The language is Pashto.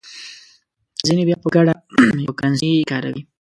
ځینې بیا په ګډه یوه کرنسي کاروي.